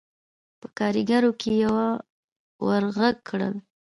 په کارېګرو کې يوه ور غږ کړل: